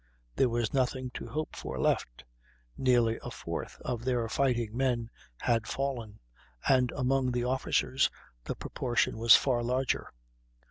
There was nothing to hope for left. Nearly a fourth of their fighting men had fallen; and among the officers the proportion was far larger.